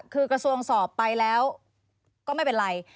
คือกระทรวงสอบไปแล้วก็ไม่เป็นไร